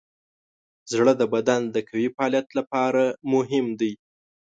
زړه د بدن د قوي فعالیت لپاره مهم دی.